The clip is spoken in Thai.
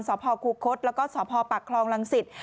สภคุคศแล้วก็สภปักครองลังศิษย์